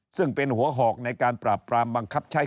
ซึ่งเป็นหัวหอกในการปราบปรามบังคับใช้